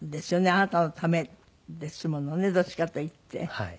あなたのためですものねどっちかといって。